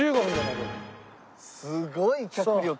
すごい脚力。